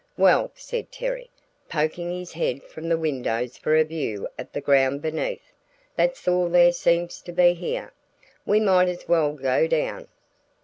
"Well," said Terry, poking his head from the windows for a view of the ground beneath, "that's all there seems to be here; we might as well go down."